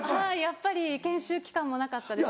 やっぱり研修期間もなかったですし。